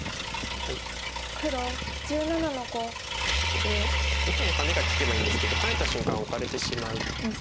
ここで右辺ハネが利けばいいんですけどハネた瞬間オカれてしまう。